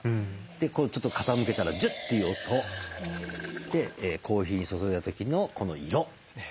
ちょっと傾けたらジュッていう音。でコーヒー注いだ時のこの色。